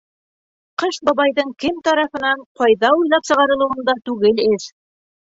Ҡыш бабайҙың кем тарафынан, ҡайҙа уйлап сығарылыуында түгел эш.